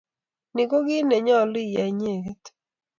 Ni ko kit ne nyolu iyai inyeket.